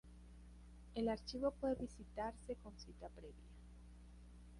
El archivo puede visitarse con cita previa.